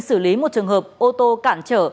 xử lý một trường hợp ô tô cạn trở